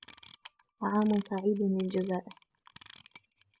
عام سعيد للجزائر.